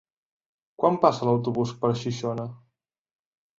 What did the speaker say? Quan passa l'autobús per Xixona?